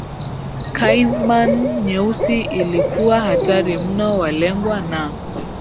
caiman nyeusi ilikuwa hatari mno walengwa na